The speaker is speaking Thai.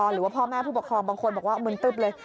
หรือว่าพ่อแม่ผู้ปกครองบางคนบอกว่ามึนตึ๊บเลย